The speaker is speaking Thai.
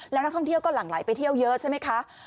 แล้วนักท่องเที่ยวก็หลั่งไหลไปเที่ยวเยอะใช่ไหมคะ